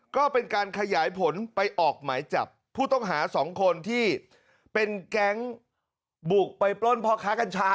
ก็เป็นการขยายผลไปออกหมายจับผู้ต้องหา๒คนที่เป็นแก๊งบุกไปปล้นพ่อค้ากัญชา